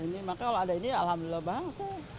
ini makanya kalau ada ini alhamdulillah banget